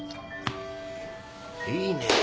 いいね。